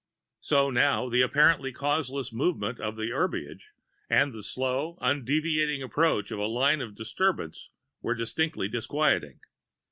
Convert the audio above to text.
So now the apparently causeless movement of the herbage, and the slow, undeviating approach of the line of disturbance were distinctly disquieting.